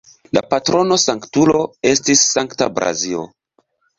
La patrono-sanktulo estis Sankta Blazio.